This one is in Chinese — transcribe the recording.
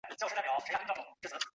本曲共分为四个乐章。